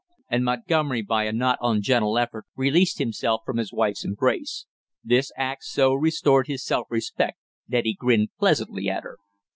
And Montgomery by a not ungentle effort released himself from his wife's embrace. This act so restored his self respect that he grinned pleasantly at her.